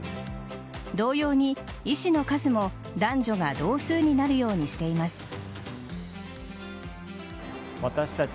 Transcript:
同様に医師の数も男女が同数になるようにしています。